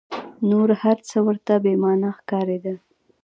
نور هر څه ورته بې مانا ښکارېدل.